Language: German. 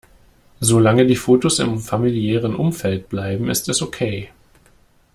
Solange die Fotos im familiären Umfeld bleiben, ist es okay.